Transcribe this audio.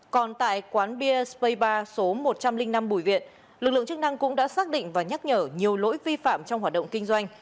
còn tại quán bia space ba số một trăm linh năm bùi viện lực lượng chức năng cũng đã xác định và nhắc nhở nhiều lỗi vi phạm trong hoạt động kinh doanh